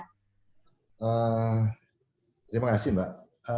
terima kasih mbak